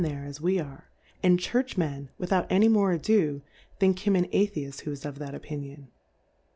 there ^ as we are\ and Church Men^ with^ cut any more ado^ think him an Atheifi^ who is of that Ofmion.